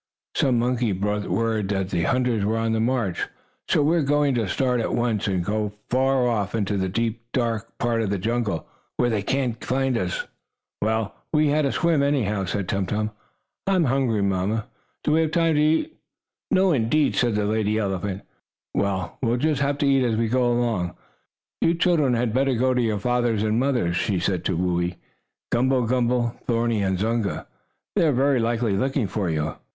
Some monkeys brought word that the hunters were on the march. So we are going to start at once and go afar off, into a deep, dark part of the jungle, where they cannot find us." "Well, we had a swim, anyhow," said Tum Tum. "I'm hungry, mamma. Have we time to eat?" "No, indeed," said the lady elephant. "We'll just have to eat as we go along. You children had better go to your fathers and mothers," she said to Whoo ee, Gumble umble, Thorny and Zunga. "They are, very likely, looking for you."